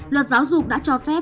luật giáo dục đã cho phép